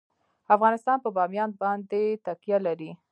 افغانستان په بامیان باندې تکیه لري.